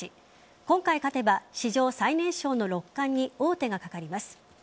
今回勝てば史上最年少の六冠に王手がかかります。